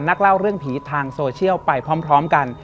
นักเล่าเรื่องผีทางโซเชียลไปพร้อมกัน